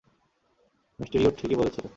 Mysterio ঠিকই বলেছিল।